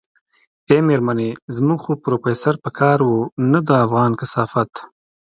ای مېرمنې زموږ خو پروفيسر په کار و نه دا افغان کثافت.